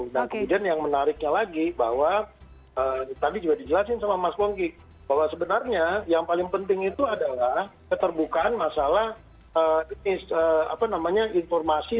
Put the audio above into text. dan kemudian yang menariknya lagi bahwa tadi juga dijelasin sama mas wonggi bahwa sebenarnya yang paling penting itu adalah keterbukaan masalah informasi lagu